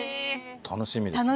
楽しみですね。